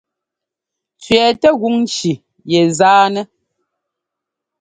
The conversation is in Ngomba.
Cʉɛtɛ́ gún ŋci yɛ zánɛ́.